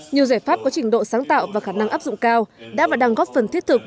nhiều giải pháp có trình độ sáng tạo và khả năng áp dụng cao đã và đang góp phần thiết thực